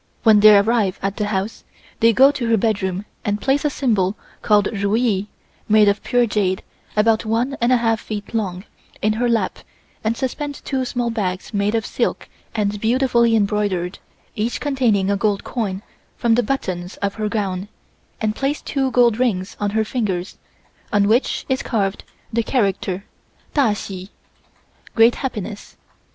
When they arrive at the house, they go to her bedroom and place a symbol called Ru Yee, made of pure jade about one and a half feet long, in her lap and suspend two small bags made of silk and beautifully embroidered, each containing a gold coin, from the buttons of her gown, and place two gold rings on her fingers, on which is carved the characters Ta Hsi (Great Happiness).